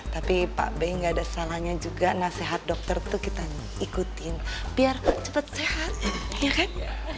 tapi pak be nggak ada salahnya juga nasihat dokter tuh kita ikutin biar cepat sehat iya kan